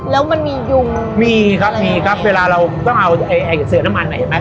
แล้วมันมียุงมีครับมีครับเวลาเราต้องเอาไอ้เสือน้ำมันอ่ะเห็นไหม